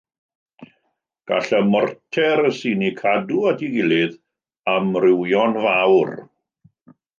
Gall y morter sy'n eu cadw at ei gilydd amrywio'n fawr.